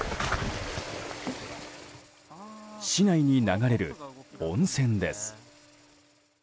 市内に流れる温泉です。